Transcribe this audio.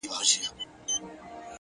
هره ورځ د نوې پیل امکان لري,